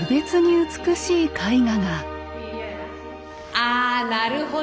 あなるほど！